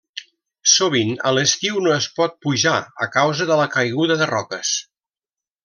Sovint a l'estiu no es pot pujar a causa de la caiguda de roques.